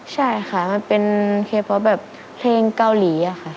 ใช่ค่ะมันเป็นเฉพาะแบบเพลงเกาหลีอะค่ะ